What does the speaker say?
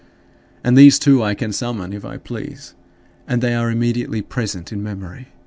And these too I can summon if I please and they are immediately present in memory.